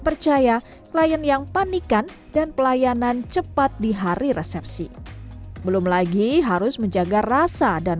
percaya klien yang panikan dan pelayanan cepat di hari resepsi belum lagi harus menjaga rasa dan